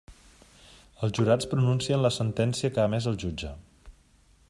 Els jurats pronuncien la sentència que ha emès el jutge.